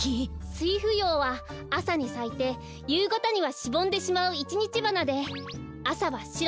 スイフヨウはあさにさいてゆうがたにはしぼんでしまういちにちばなであさはしろ。